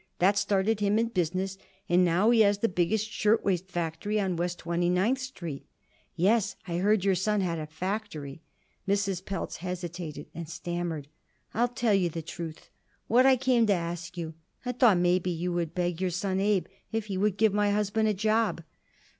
That started him in business, and now he has the biggest shirt waist factory on West Twenty ninth Street." "Yes, I heard your son had a factory." Mrs. Pelz hesitated and stammered; "I'll tell you the truth. What I came to ask you I thought maybe you would beg your son Abe if he would give my husband a job."